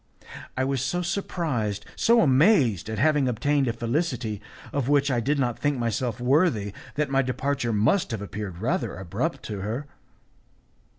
I was so surprised, so amazed at having obtained a felicity of which I did not think myself worthy, that my departure must have appeared rather abrupt to her.